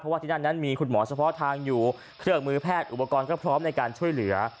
ว่าที่นั่นนั้นมีคุณหมอเฉพาะทางอยู่เครื่องมือแพทย์อุปกรณ์ก็พร้อมในการช่วยเหลือ